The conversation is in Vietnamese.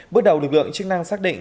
bước đầu lực lượng chức năng xác định